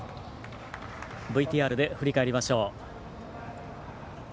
ＶＴＲで振り返りましょう。